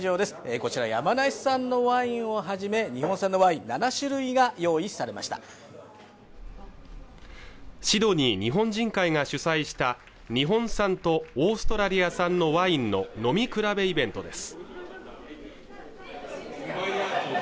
こちら山梨産のワインをはじめ日本産のワイン７種類が用意されましたシドニー日本人会が主催した日本産とオーストラリア産のワインの飲み比べイベントです